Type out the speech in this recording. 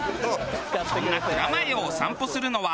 そんな蔵前をお散歩するのは。